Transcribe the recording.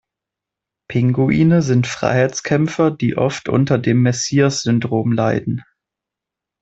Pinguine sind Freiheitskämpfer, die oft unter dem Messias-Syndrom leiden.